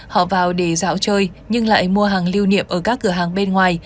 họ vào để dạo chơi nhưng lại mua hàng lưu niệm ở các cửa hàng bên ngoài